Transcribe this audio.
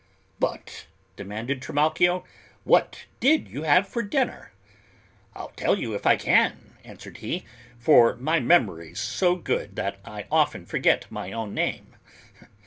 "But," demanded Trimalchio, "what did you have for dinner'?" "I'll tell you if I can," answered he, "for my memory's so good that I often forget my own name.